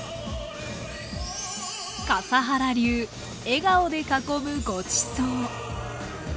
笠原流「笑顔で囲むごちそう」